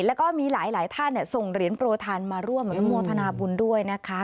แล้วก็มีหลายท่านส่งเหรียญโปรทันมาร่วมอนุโมทนาบุญด้วยนะคะ